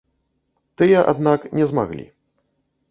Тыя, аднак не змаглі.